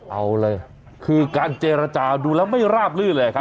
เอาเลยคือการเจรจาดูแล้วไม่ราบลื่นเลยครับ